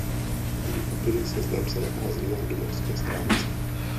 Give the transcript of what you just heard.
Jejich úplný seznam se nachází na domovské stránce.